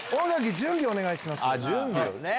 準備お願いします。